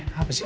eh apa sih